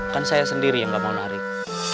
kan saya sendiri yang gak mau narik